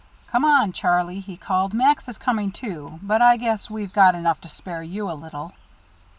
"Come on, Charlie," he called. "Max is coming, too; but I guess we've got enough to spare you a little."